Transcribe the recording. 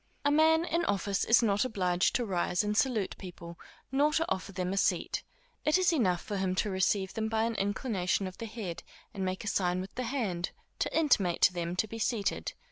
A man in office is not obliged to rise and salute people, nor to offer them a seat; it is enough for him to receive them by an inclination of the head, and make a sign with the hand, to intimate to them to be seated.